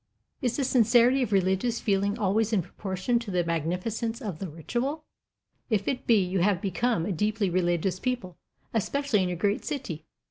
Is the sincerity of religious feeling always in proportion to the magnificence of the ritual? If it be, you have become a deeply religious people, especially in your great city.